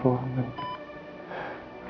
rasanya kayak terbaik